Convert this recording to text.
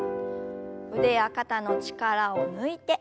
腕や肩の力を抜いて。